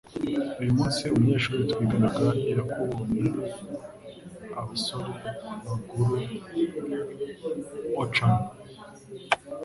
Uyu munsi, umunyeshuri twiganaga yakubonye abasore bagura Auchan.